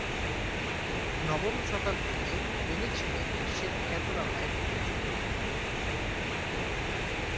নবম শতাব্দীতে তিনি ছিলেন বিশ্বের খ্যাতনামা একজন জ্যোতির্বিজ্ঞানী।